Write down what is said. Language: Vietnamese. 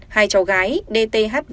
hai cháu gái dthv và dthv